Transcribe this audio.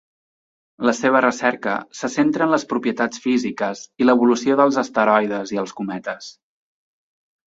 La seva recerca se centra en les propietats físiques i l'evolució dels asteroides i els cometes.